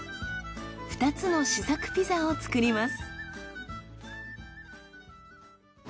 ２つの試作ピザを作ります。